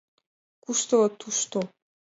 Кушто тушто.